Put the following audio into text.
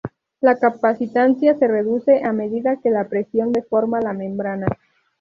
La capacitancia se reduce a medida que la presión deforma la membrana.